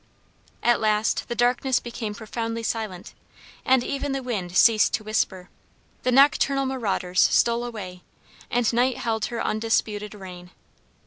At last the darkness became profoundly silent and even the wind ceased to whisper, the nocturnal marauders stole away, and night held her undisputed reign.